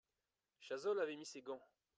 Chazolles avait mis ses gants.